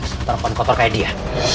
sama perempuan kotor kayak dia